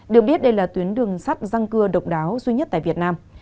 được biết đây là tuyến đường sắt răng cưa độc đáo duy nhất tại việt nam